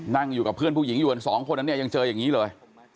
นั่งอยู่กับเพื่อนผู้หญิงอยู่กันสองคนนั้นเนี่ยยังเจออย่างนี้เลย